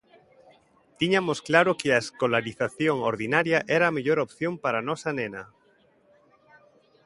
Tiñamos claro que a escolarización ordinaria era a mellor opción para a nosa nena.